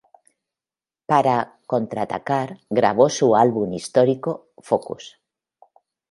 Para "contraatacar" grabó su álbum histórico "Focus".